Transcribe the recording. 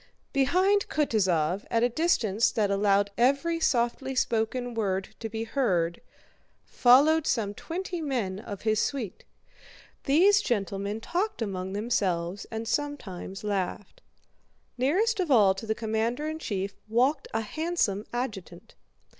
Behind Kutúzov, at a distance that allowed every softly spoken word to be heard, followed some twenty men of his suite. These gentlemen talked among themselves and sometimes laughed. Nearest of all to the commander in chief walked a handsome adjutant.